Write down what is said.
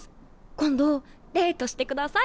今度デートしてください！